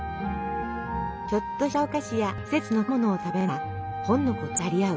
ちょっとしたお菓子や季節の果物を食べながら本のことを語り合う。